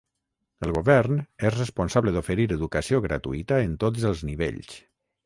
El govern és responsable d'oferir educació gratuïta en tots els nivells.